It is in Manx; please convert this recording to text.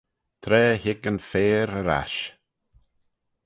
Tra hig yn faiyr er-ash.